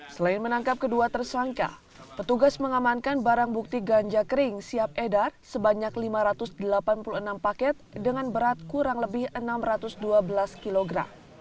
selain menangkap kedua tersangka petugas mengamankan barang bukti ganja kering siap edar sebanyak lima ratus delapan puluh enam paket dengan berat kurang lebih enam ratus dua belas kg